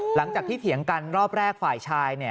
หลังจากที่เถียงกันรอบแรกฝ่ายชาย